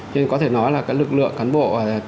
nên có thể nói là các lực lượng cán bộ